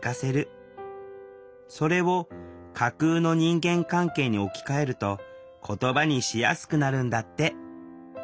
それを架空の人間関係に置き換えると言葉にしやすくなるんだって！